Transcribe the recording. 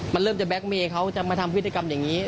มันเริ่มจะแก๊กเมย์เขาจะมาทำพฤติกรรมอย่างนี้